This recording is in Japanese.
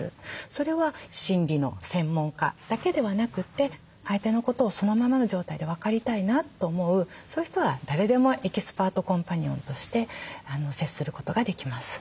それは心理の専門家だけではなくて相手のことをそのままの状態で分かりたいなと思うそういう人は誰でもエキスパートコンパニオンとして接することができます。